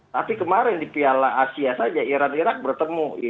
tapi kemarin di piala asia saja iran irak bertemu